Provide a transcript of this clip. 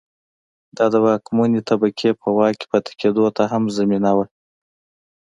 دا د واکمنې طبقې په واک کې پاتې کېدو ته هم زمینه وه.